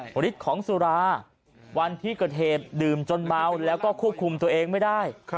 ฤทธิ์ของสุราวันที่เกิดเหตุดื่มจนเมาแล้วก็ควบคุมตัวเองไม่ได้